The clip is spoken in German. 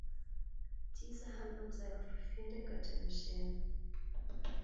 Diese Handlung sei auf Befehl der Göttin geschehen.